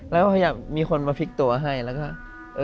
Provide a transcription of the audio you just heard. แล้วขยับมีคนมาพลิกตัวให้แล้วก็